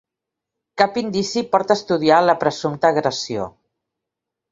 Cap indici porta a estudiar la presumpta agressió